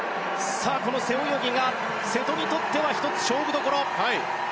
この背泳ぎが瀬戸にとっては１つ勝負どころ。